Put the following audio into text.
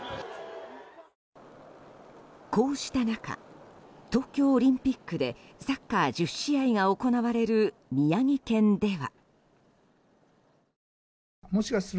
こうした中東京オリンピックでサッカー１０試合が行われる宮城県では。